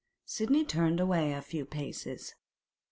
Sidney turned away a few paces.